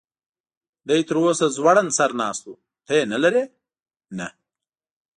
دی تراوسه ځوړند سر ناست و، ته یې نه لرې؟ نه.